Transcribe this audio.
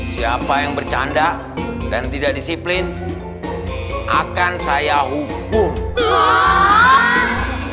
siapa yang bercanda dan tidak disiplin akan saya hukum